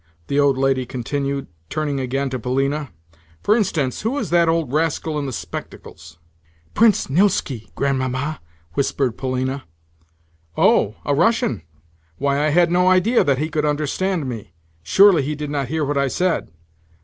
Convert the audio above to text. the old lady continued, turning again to Polina. "For instance, who is that old rascal in the spectacles?" "Prince Nilski, Grandmamma," whispered Polina. "Oh, a Russian? Why, I had no idea that he could understand me! Surely he did not hear what I said?